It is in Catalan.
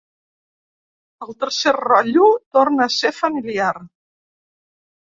El tercer rotllo torna a ser familiar.